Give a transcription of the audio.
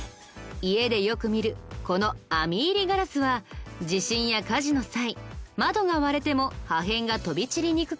家でよく見るこの網入りガラスは地震や火事の際窓が割れても破片が飛び散りにくく